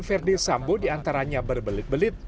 verdi sambo diantaranya berbelit belit